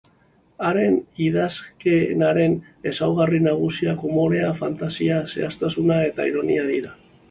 Haren idazkeraren ezaugarri nagusiak umorea, fantasia, zehaztasuna eta ironia dira.